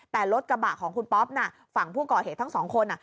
แต่รถกระบะของคุณป๊อปน่ะฝั่งผู้ก่อเหตุทั้งสองคน